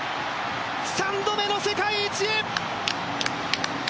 ３度目の世界一へ！